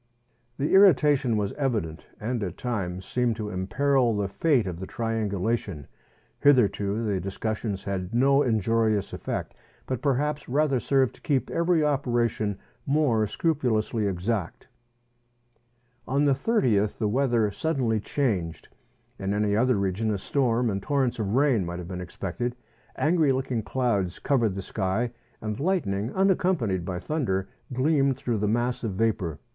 The irritation was evident, and at times seemed to imperil the fate of the triangulation. Hitherto the discussions had had no injurious effect, but perhaps rather served to keep every operation more scrupulously exact. On the 30th the weather suddenly changed. In any other region a storm and torrents of rain might have been THREE ENGLISHMEN AND THREE RUSSIANS. 9I expected : angry looking clouds covered the sky, and lightning, unaccompanied by thunder, gleamed through the mass of vapour.